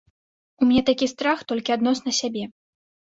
У мяне такі страх толькі адносна сябе.